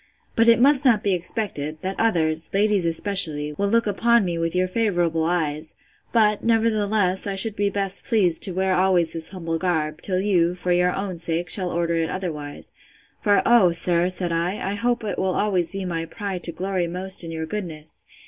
But it must not be expected, that others, ladies especially, will look upon me with your favourable eyes: but, nevertheless, I should be best pleased to wear always this humble garb, till you, for your own sake, shall order it otherwise: for, oh, sir, said I, I hope it will be always my pride to glory most in your goodness!